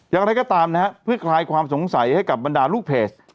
อย่างไรก็ตามนะฮะเพื่อคลายความสงสัยให้กับบรรดาลูกเพจ